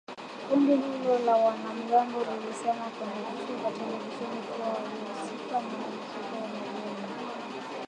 Kundi hilo la wanamgambo lilisema kwenye vituo vya televisheni kuwa walihusika na mlipuko wa mabomu